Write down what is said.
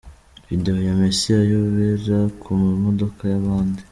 Video ya Messi ayobera ku modoka y’abandi:.